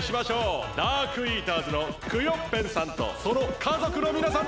ダークイーターズのクヨッペンさんとその家族のみなさんです。